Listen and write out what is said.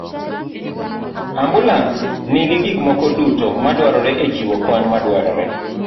Ambulans nigi gik moko duto madwarore e chiwo kony madwarore.